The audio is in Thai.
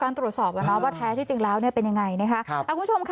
การตรวจสอบว่าแท้ที่จริงแล้วเป็นยังไงนะครับ